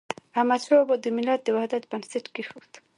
احمدشاه بابا د ملت د وحدت بنسټ کيښود.